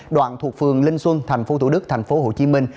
đoạn thuộc phường linh xuân tp thủ đức tp hồ chí minh